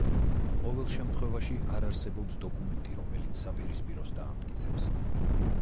ყოველ შემთხვევაში, არ არსებობს დოკუმენტი, რომელიც საპირისპიროს დაამტკიცებს.